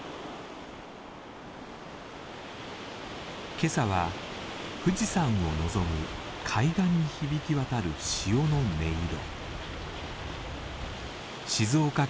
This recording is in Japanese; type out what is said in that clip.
今朝は富士山を望む海岸に響き渡る潮の音色。